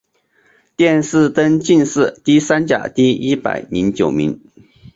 殿试登进士第三甲第一百零九名。